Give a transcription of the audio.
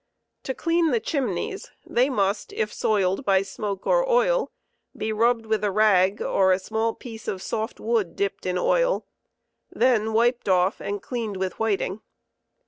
Ho clean the chimneys they must, if soiled by smoke qr oil, be rubbed, with a rag or a small piece of soft wood dipped in oil, then wiped off and cleaned with whit ing.